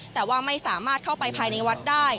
แต่ว่าไม่สามารถเข้าไปภายในวัดได้